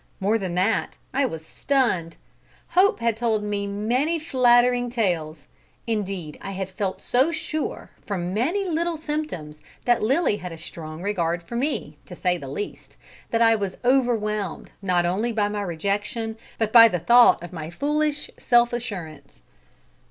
More than that, I was stunned! Hope had told me many flattering tales. Indeed, I had felt so sure, from many little symptoms, that Lilly had a strong regard for me to say the least that I was overwhelmed, not only by my rejection, but by the thought of my foolish self assurance.